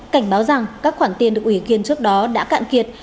cảnh báo rằng các khoản tiền được ủy viên trước đó đã cạn kiệt